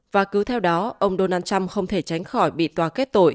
và cứ theo đó ông donald trump không thể tránh khỏi bị tòa kết tội